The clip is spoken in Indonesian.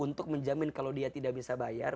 untuk menjamin kalau dia tidak bisa bayar